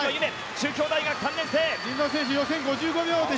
中京大学３年生。